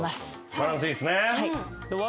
バランスいいっすね。